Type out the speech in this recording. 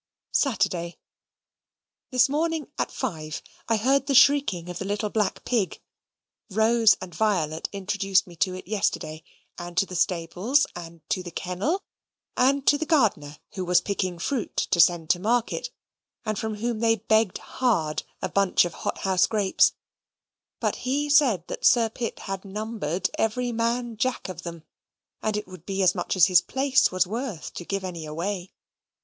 Saturday. This morning, at five, I heard the shrieking of the little black pig. Rose and Violet introduced me to it yesterday; and to the stables, and to the kennel, and to the gardener, who was picking fruit to send to market, and from whom they begged hard a bunch of hot house grapes; but he said that Sir Pitt had numbered every "Man Jack" of them, and it would be as much as his place was worth to give any away.